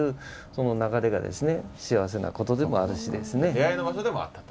出会いの場所でもあったと。